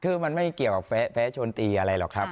คือมันไม่เกี่ยวกับแฟ้ชนตีอะไรหรอกครับ